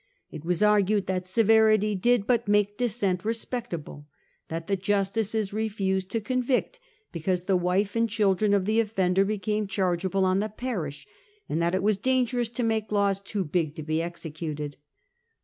It was argued that severity did but make Dissent respect able ; that the justices refused to convict, because the wife and children of the offender became chargeable on the parish ; and that it was dangerous to make laws too big to be executed.